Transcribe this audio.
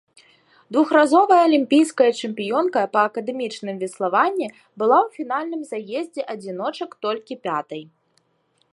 Двухразовая алімпійская чэмпіёнка па акадэмічным веславанні была ў фінальным заездзе адзіночак толькі пятай.